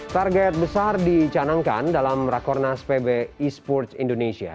target besar dicanangkan dalam rakornas pb esports indonesia